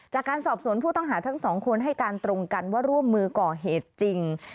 จากการสอบสวนผู้ต้องหาทั้งสองคนให้การตรงกันว่าร่วมมือก่อเหตุจริง